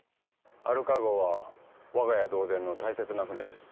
アルカ号は我が家同然の大切な船です。